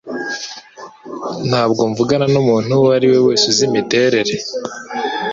Ntabwo mvugana numuntu uwo ari we wese uzi imiterere.